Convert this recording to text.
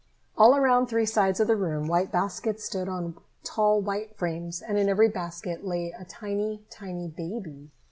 All around three sides of the room white baskets stood on tall white frames, and in every basket lay a tiny, tiny baby.